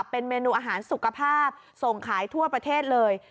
เป็นเมนูอาหารสุขภาพส่งขายทั่วประเทศเลย